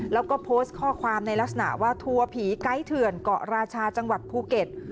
แล้วก็โพสต์ข้อความในลักษณะว่าทัวร์ผีไกด์เถื่อนเกาะราชาจังหวัดภูเก็ต